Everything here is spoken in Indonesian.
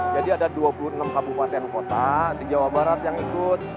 jadi ada dua puluh enam kabupaten dan kota di jawa barat yang ikut